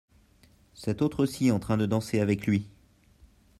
Cette autre -ci en train de danser avec lui !